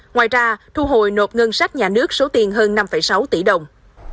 ngoài ra thu hồi nộp ngân sách nhà nước số tiền hơn năm sáu tỷ đồng